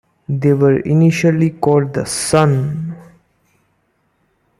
They were initially called Sun..!